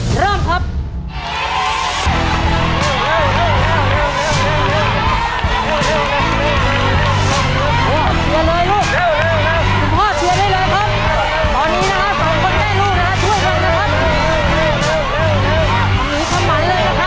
ครับตอนนี้นะคะสองคนด้วยก่อนนะครับ